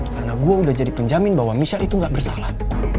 karena gua udah jadi penjamin bahwa michelle itu gak bersalah